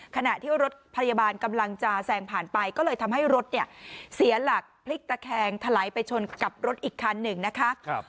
ขณะที่รถพยาบาลกำลังจะแซงผ่านไปก็เลยทำให้รถเนี่ยเสียหลักพลิกตะแคงถลายไปชนกับรถอีกคันหนึ่งนะคะ